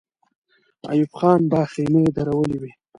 ایوب خان به خېمې درولې وې.